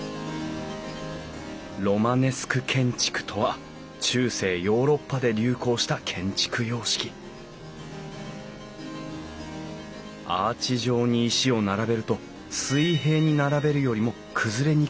ロマネスク建築とは中世ヨーロッパで流行した建築様式アーチ状に石を並べると水平に並べるよりも崩れにくくなる。